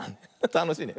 たのしいね。